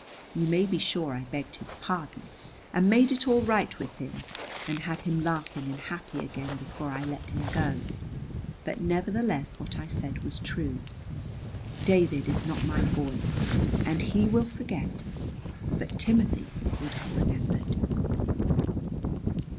You may be sure I begged his pardon, and made it all right with him, and had him laughing and happy again before I let him go. But nevertheless what I said was true. David is not my boy, and he will forget. But Timothy would have remembered.